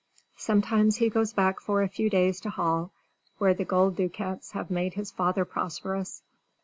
Sometimes he goes back for a few days to Hall, where the gold ducats have made his father prosperous.